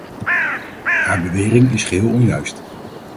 Haar bewering is geheel onjuist.